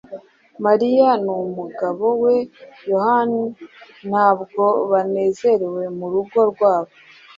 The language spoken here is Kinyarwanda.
Mariya n’umugabo we Yohani ntabwo banezerewe mu rugo rwabo.